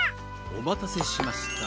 おまたせしました。